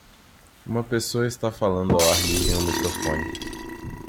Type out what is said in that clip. Uma pessoa está falando ao ar livre em um microfone.